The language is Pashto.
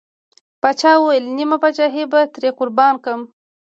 پاچا وويل: نيمه پاچاهي به ترې قربان کړم.